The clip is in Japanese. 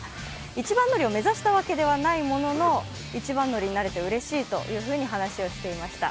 一番乗りを目指したわけではないものの一番になってうれしいというふうに話をしていました。